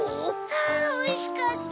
あおいしかった！